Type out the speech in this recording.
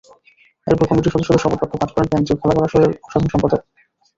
এরপর কমিটির সদস্যদের শপথবাক্য পাঠ করান কেন্দ্রীয় খেলাঘর আসরের সাধারণ সম্পাদক মোখলেছুর রহমান।